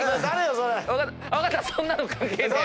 そんなの関係ねえ。